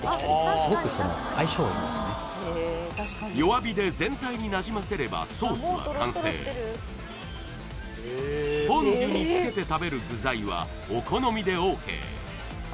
弱火で全体になじませればソースは完成フォンデュにつけて食べる具材はお好みでＯＫ